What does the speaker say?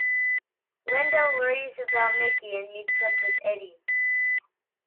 Linda worries about Mickey and meets up with Eddie.